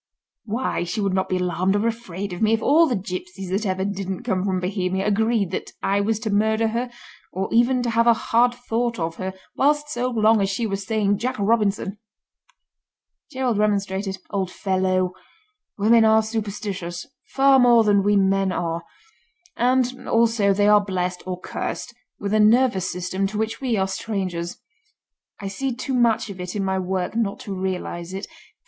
Why, she would not be alarmed or afraid of me if all the gipsies that ever didn't come from Bohemia agreed that I was to murder her, or even to have a hard thought of her, whilst so long as she was saying 'Jack Robinson.'" Gerald remonstrated. "Old fellow, women are superstitious—far more than we men are; and, also they are blessed—or cursed—with a nervous system to which we are strangers. I see too much of it in my work not to realise it.